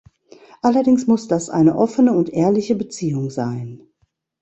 Allerdings muss das eine offene und ehrliche Beziehung sein.